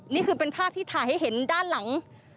นี่คือเป็นภาพที่ถ่ายให้เห็นด้านหลัง